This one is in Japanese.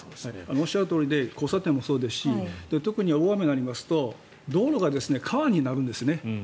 おっしゃるとおりで交差点もそうですし特に大雨がありますと道路が川になるんですね。